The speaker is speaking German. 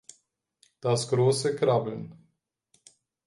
Das grosse Krabbeln